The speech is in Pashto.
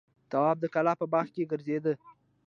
تواب د کلا په باغ کې ګرځېده.